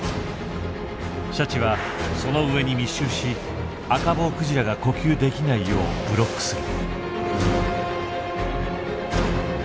シャチはその上に密集しアカボウクジラが呼吸できないようブロックする。